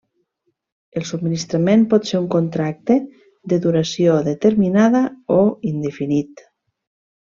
El subministrament pot ser un contracte de duració determinada o indefinit.